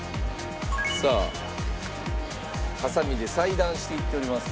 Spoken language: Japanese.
さあハサミで裁断していっております。